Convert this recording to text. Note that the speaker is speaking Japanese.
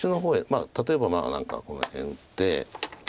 まあ例えば何かこの辺打って。